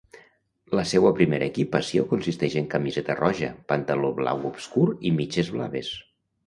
La seua primera equipació consistix en camiseta roja, pantaló blau obscur i mitges blaves.